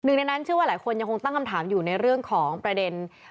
ในนั้นเชื่อว่าหลายคนยังคงตั้งคำถามอยู่ในเรื่องของประเด็น